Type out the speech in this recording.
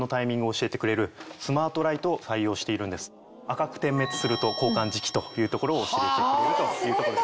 赤く点滅すると交換時期というところを教えてくれると。